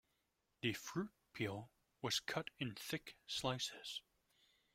The fruit peel was cut in thick slices.